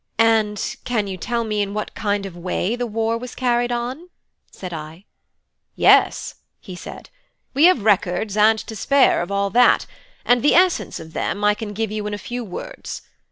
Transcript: "And can you tell me in what kind of way the war was carried on?" said I. "Yes" he said; "we have records and to spare of all that; and the essence of them I can give you in a few words.